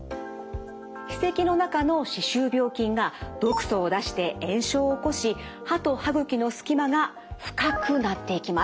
歯石の中の歯周病菌が毒素を出して炎症を起こし歯と歯ぐきのすき間が深くなっていきます。